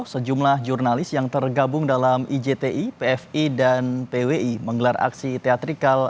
sejumlah jurnalis yang tergabung dalam ijti pfi dan pwi menggelar aksi teatrikal